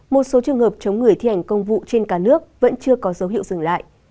một số trường hợp chống người thi hành công vụ trên cả nước vẫn chưa có dấu hiệu dừng lại